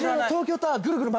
東京タワー。